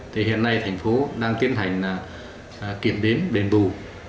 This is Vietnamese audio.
thì hiện nay thành phố đang tiến hành kiểm đếm đền bù